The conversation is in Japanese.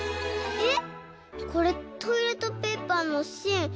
えっ！